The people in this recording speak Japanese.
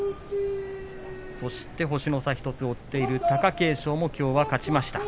そして星の差１つを追っている貴景勝もきょうは勝ちました。